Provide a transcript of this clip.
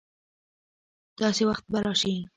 داسي وخت به راشي